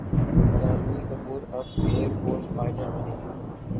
جھانوی کپور اب air force pilot بنیں گی